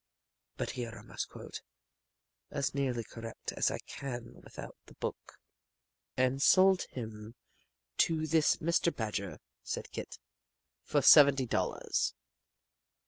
But here I must quote, as nearly correctly as I can without the book: "'And sold him to this Mr. Badger' (said Kit) 'for seventy dollars.